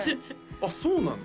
あっそうなんだ